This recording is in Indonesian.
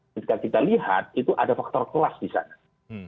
ketika kita lihat itu ada faktor kelas di sana